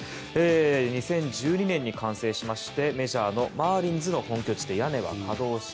２０１２年に完成しましてメジャーのマーリンズの本拠地で屋根は可動式。